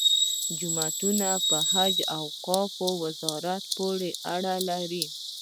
جوماتونه په حج او اوقافو وزارت پورې اړه لري.